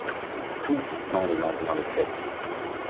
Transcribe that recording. Tout y sent le lendemain de fête.